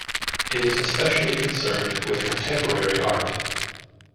It is especially concerned with contemporary art.